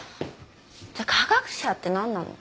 じゃあ科学者って何なの？